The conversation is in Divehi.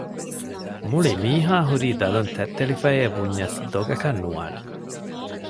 މުޅި މީހާ ހުރީ ދަލުން ތަތްތެޅިފަޔޭ ބުންޏަސް ދޮގަކަށް ނުވާނެ